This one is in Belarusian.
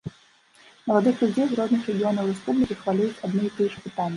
Маладых людзей з розных рэгіёнаў рэспублікі хвалююць адны і тыя ж пытанні.